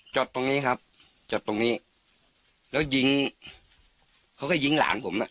จดตรงนี้ครับจอดตรงนี้แล้วยิงเขาก็ยิงหลานผมอ่ะ